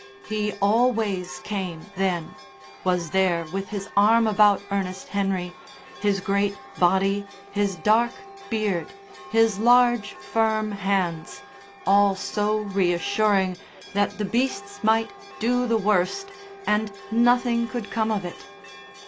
He always came then, was there with his arm about Ernest Henry, his great body, his dark beard, his large, firm hands all so reassuring that the beasts might do the worst, and nothing could come of it.